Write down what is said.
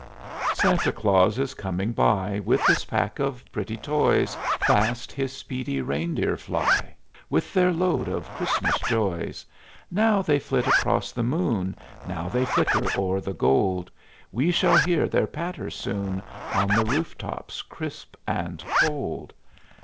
Santa Claus is coming by With his pack of pretty toys. Fast his speedy rein deer fly With their load of Christmas joys. Now they flit across the moon, Now they flicker o'er the gold We shall hear their patter soon On the roof tops crisp and cold.